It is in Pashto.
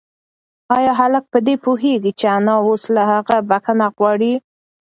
ایا هلک په دې پوهېږي چې انا اوس له هغه بښنه غواړي؟